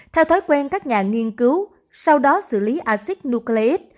theo thói quen các nhà nghiên cứu sau đó xử lý acid nucleic